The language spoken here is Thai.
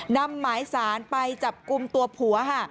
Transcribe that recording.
นำหมายสารไปจับกลุ่มตัวผัวค่ะ